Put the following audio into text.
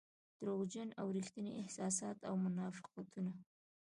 دروغجن او رښتيني احساسات او منافقتونه.